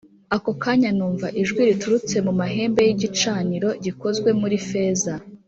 Ako kanya numva ijwi riturutse mu mahembe y’igicaniro gikozwe muri feza